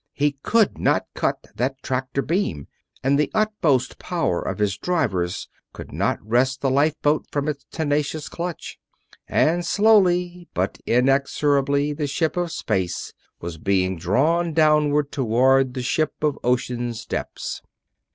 He could not cut that tractor beam and the utmost power of his drivers could not wrest the lifeboat from its tenacious clutch. And slowly but inexorably the ship of space was being drawn downward toward the ship of ocean's depths.